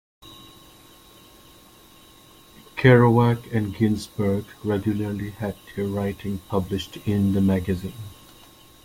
Kerouac and Ginsberg regularly had their writing published in the magazine.